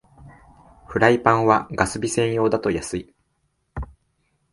フライパンはガス火専用だと安い